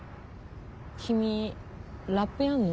君ラップやんの？